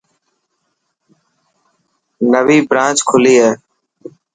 نوي برانچ کلي هي.